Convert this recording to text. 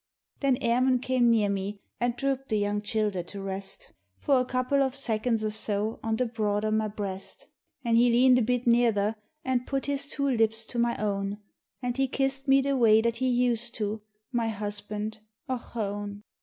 Then Emun came near me, an' dhrooped the young childher to rest For a couple of seconds or so on the broad o' my breast. 90 MAURY'S VISION An' he leaned a bit neardher an' put his two lips to my own, An' he kissed me the way that he used to, my husband, ochone